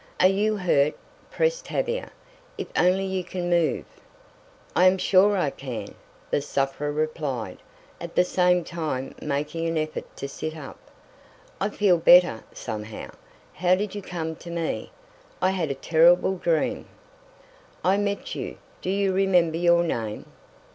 "Are you hurt?" pressed Tavia. "If only you can move?" "I am sure I can," the sufferer replied, at the same time making an effort to sit up. "I feel better somehow. How did you come to me? I had a terrible dream." "I met you. Do you remember your name?"